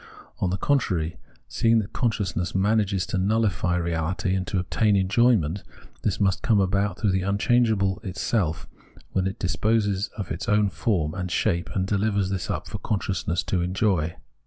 On the con trary, seeing that consciousness manages to nulhfy reahty and to obtain enjoyment, this must come about through the unchangeable itseK when it disposes of its own form and shape and dehvers this up for consciousness to enjoy.